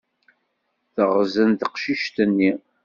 Teɣẓen teqcict-nni.